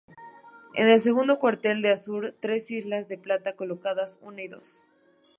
En el segundo cuartel, de azur, tres islas de plata colocadas una y dos.